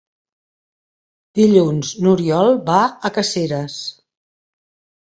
Dilluns n'Oriol va a Caseres.